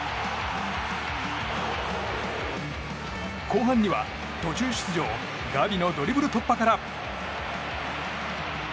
後半には途中出場ガビのドリブル突破から。